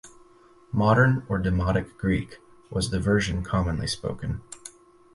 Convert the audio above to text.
Modern or Demotic Greek was the version commonly spoken.